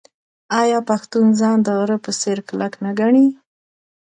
آیا پښتون ځان د غره په څیر کلک نه ګڼي؟